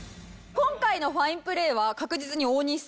今回のファインプレーは確実に大西さんの。